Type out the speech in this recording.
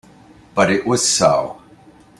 But it was so.